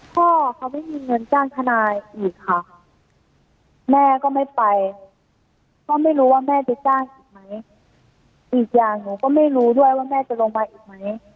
พ่อเขาไม่มีเงินจ้างทนายอีกค่ะแม่ก็ไม่ไปก็ไม่รู้ว่าแม่จะจ้างอีกไหมอีกอย่างหนูก็ไม่รู้ด้วยว่าแม่จะลงไปอีกไหม